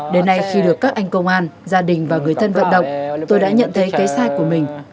đến nay khi được các anh công an gia đình và người thân vận động tôi đã nhận thấy cái sai của mình